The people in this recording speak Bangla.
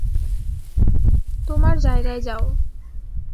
তোমার জায়গায় যাও।